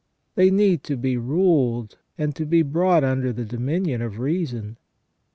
They need to be ruled and to be brought under the dominion of reason.